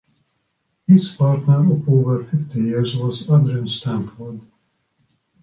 His partner of over fifty years was Adrian Stanford.